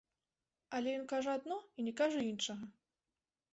Але ён кажа адно і не кажа іншага.